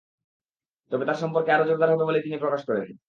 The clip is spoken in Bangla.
তবে তাদের সম্পর্ক আরও জোরদার হবে বলেই তিনি আশা প্রকাশ করেন।